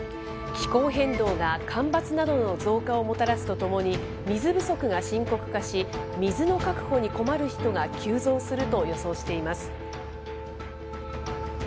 気候変動が干ばつなどの増加をもたらすとともに、水不足が深刻化し、水の確保に困る人が急増すると予想しています。